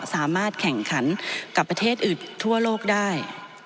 สามารถแข่งขันกับประเทศอื่นทั่วโลกได้